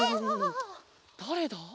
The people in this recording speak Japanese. だれだ？